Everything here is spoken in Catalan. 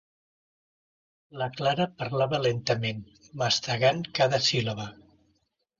La Clara parlava lentament, mastegant cada síl·laba.